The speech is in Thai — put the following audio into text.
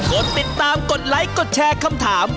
กดติดตามกดไลค์กดแชร์คำถาม